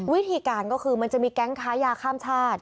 วิธีการก็คือมันจะมีแก๊งค้ายาข้ามชาติ